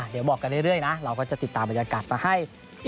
เดี๋ยวบอกกันเรื่อยนะเราก็จะติดตามบรรยากาศมาให้